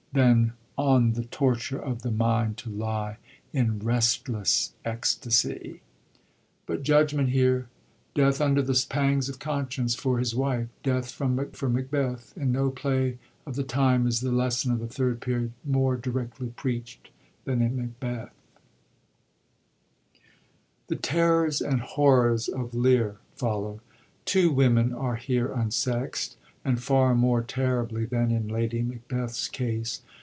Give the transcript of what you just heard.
Than on the torture of the mind to lie la restless ecstasy," 132 SHAKSPERE'S THIRD PERIOD PLAYS but judgment here : death, under the pangs of conscience, for his wife ; death, from MacduflTs sword, for Macbeth. In no play of the time is the lesson of the Third Period more directly preacht than in Macbeth, The terrors and horrors of Lear follow. Two women are here unsext, and far more terribly than in Lady Mac beth's case.